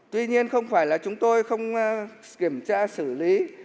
tuy nhiên không phải là chúng tôi không kiểm tra xử lý